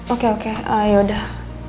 oke oke yaudah